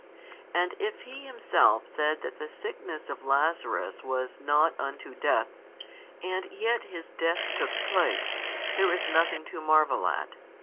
And if He Himself said that the sickness of Lazarus was not unto death, and yet his death took place, there is nothing to marvel at.